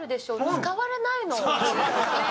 使われないの。